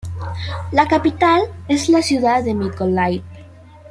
La capital es la ciudad de Mykolaiv.